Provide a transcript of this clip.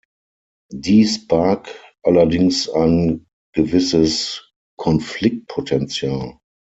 Dies barg allerdings ein gewisses Konfliktpotential.